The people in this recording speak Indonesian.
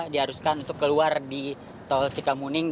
diharuskan untuk keluar di tol cikamuning